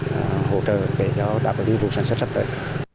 chúng tôi cũng đang hỗ trợ để đảm bảo những vụ sản xuất sắp tới